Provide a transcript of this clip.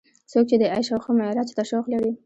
څوک چې د عیش او ښه معراج ته شوق لري.